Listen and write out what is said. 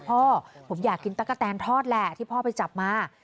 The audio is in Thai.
พ่อผมอยากกินตั๊กกะแตนทอดแหละที่พ่อไปจับมา